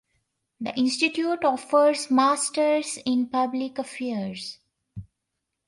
The institute offers Masters in Public Affairs.